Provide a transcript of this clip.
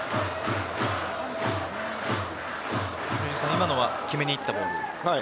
今のは決めにいったボールですか？